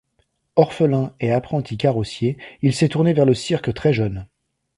Orphelin et apprenti carrossier, il s'est tourné vers le cirque très jeune.